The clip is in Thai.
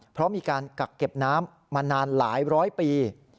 เพราะมีการกักเก็บน้ำมานานหลายร้อยปี